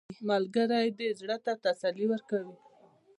ملګری د زړه ته تسلي ورکوي